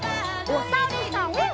おさるさん。